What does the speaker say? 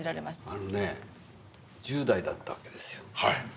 あのね１０代だったわけですよ。